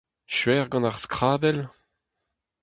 Skuizh gant ar skrabell ?